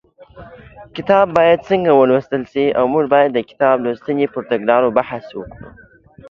کتاب باید څنګه ولوستل شي اثر د کتاب لوستنې پر تګلارو بحث کوي